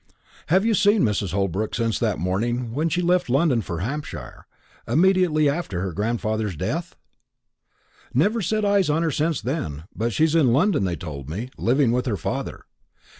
"Have you seen Mrs. Holbrook since that morning when she left London for Hampshire, immediately after her grandfather's death?" "Never set eyes on her since then; but she's in London, they told me, living with her father.